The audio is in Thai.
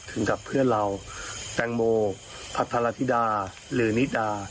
กับเพื่อนเราแตงโมพัทรธิดาหรือนิดา